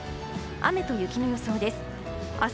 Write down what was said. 雨と雪の予想です。